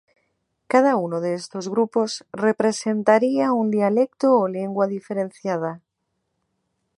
Cada uno de estos grupos representaría un dialecto o lengua diferenciada.